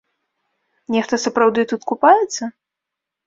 Нехта сапраўды тут купаецца?